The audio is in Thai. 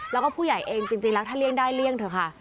แล้วก็ผู้ใหญ่เองจริงแล้วถ้าเลี่ยงได้เลี่ยงเถอะค่ะ